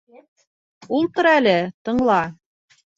Ултыр әле, тыңла.